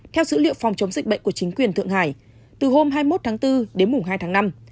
theo dữ liệu phòng chống dịch bệnh của chính quyền thượng hải từ hôm hai mươi một tháng bốn đến mùng hai tháng năm